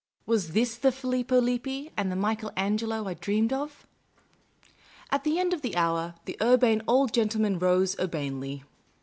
was this the Filippo Lippi, the Michael Angelo I dreamed of? At the end of the hour, the Urbane Old Gentleman ro.se urbanely.